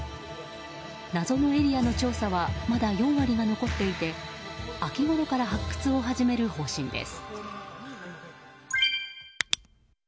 謎のエリアの調査はまだ４割が残っていて秋ごろから発掘を始める方針です。